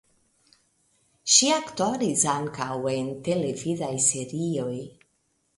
Ŝi aktoris ankaŭ en televidaj serioj.